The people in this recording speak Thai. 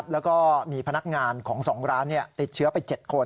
แล้วก็มีพนักงานของ๒ร้านติดเชื้อไป๗คน